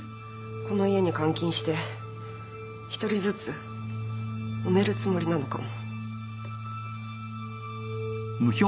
この家に監禁して１人ずつ埋めるつもりなのかも。